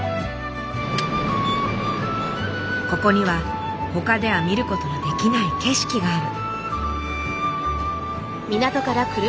ここにはほかでは見ることのできない景色がある。